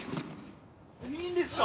いいんですか？